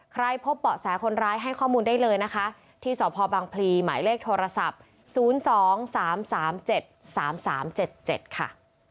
พบเบาะแสคนร้ายให้ข้อมูลได้เลยนะคะที่สพบังพลีหมายเลขโทรศัพท์๐๒๓๓๗๓๓๗๗ค่ะ